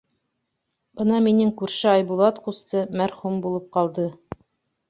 Бына минең күрше Айбулат ҡусты мәрхүм булып ҡалды.